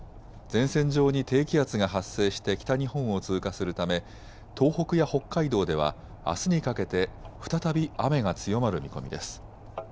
前線上に低気圧が発生して北日本を通過するため東北や北海道ではあすにかけて再び雨が強まる見込みです。